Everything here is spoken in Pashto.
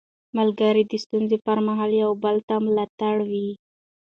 ملګري د ستونزو پر مهال یو بل ته ملا تړ وي